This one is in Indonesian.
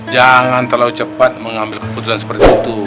jangan terlalu cepat mengambil keputusan seperti itu